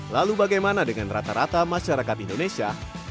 lalu bagaimana dengan rata rata masyarakat indonesia